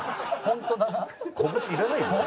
こぶしいらないでしょ。